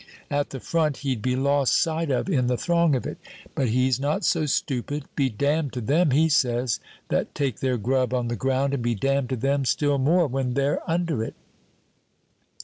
At the front he'd be lost sight of in the throng of it, but he's not so stupid. Be damned to them, he says, that take their grub on the ground, and be damned to them still more when they're under it.